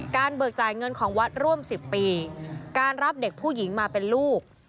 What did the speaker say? เบิกจ่ายเงินของวัดร่วม๑๐ปีการรับเด็กผู้หญิงมาเป็นลูก